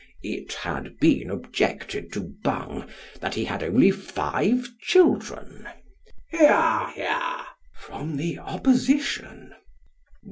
It had been objected to Bung that he had only five children (" Hear, hear !" from the opposition).